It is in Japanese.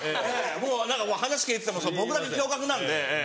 もう話聞いてても僕だけ共学なんで。